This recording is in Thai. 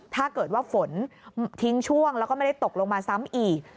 ถ้าเกิดว่าฝนทิ้งช่วงแล้วก็ไม่ได้ตกลงมาซ้ำอีก